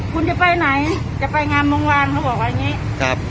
คุณจะไปไหนจะไปงานเมื่อวานเขาบอกว่าอย่างงี้ครับ